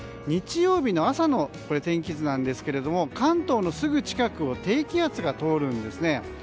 日曜日の朝の天気図なんですけど関東のすぐ近くを低気圧が通るんですね。